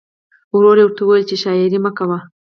ورور یې ورته وویل چې شاعري مه کوه